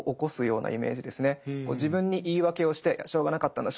自分に言い訳をして「しょうがなかったんだ。